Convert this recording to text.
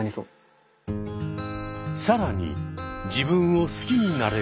更に「自分を好きになれる」